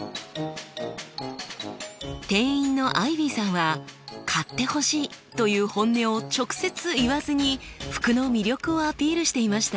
店員のアイビーさんは買ってほしいという本音を直接言わずに服の魅力をアピールしていました。